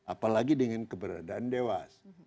apalagi dengan keberadaan dewas